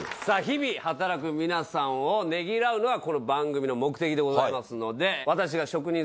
さぁ日々働く皆さんをねぎらうのがこの番組の目的でございますので私が。